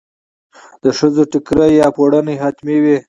د ښځو ټیکری یا پړونی حتمي وي.